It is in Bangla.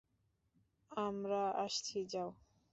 আমরা আসছি যাও!